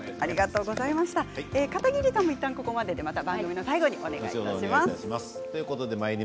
片桐さんもいったんここまででまた番組の最後にお願いします。